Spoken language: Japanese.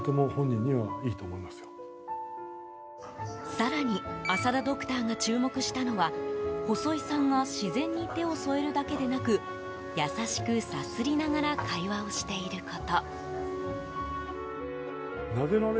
更に、朝田ドクターが注目したのは細井さんが自然に手を添えるだけでなく優しくさすりながら会話をしていること。